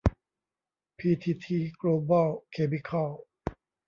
พีทีที โกลบอล เคมิคอล